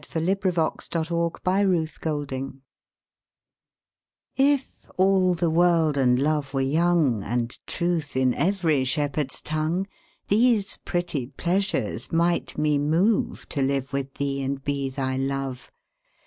Her Reply (Written by Sir Walter Raleigh) IF all the world and love were young, And truth in every shepherd's tongue, These pretty pleasures might me moveTo live with thee and be thy Love.